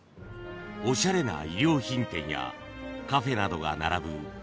［おしゃれな衣料品店やカフェなどが並ぶ］